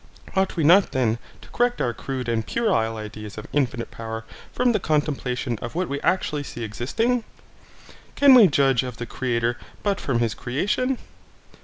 Ought we not then to correct our crude and puerile ideas of infinite Power from the contemplation of what we actually see existing? Can we judge of the Creator but from his creation?